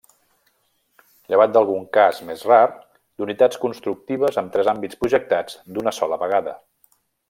Llevat d'algun cas, més rar, d'unitats constructives amb tres àmbits projectats d'una sola vegada.